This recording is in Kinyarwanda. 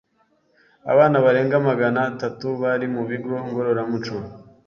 abana barenga magana tatu bari mu bigo ngororamuco